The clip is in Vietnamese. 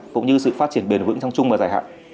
cũng như sự phát triển bền vững trong chung và giải hạng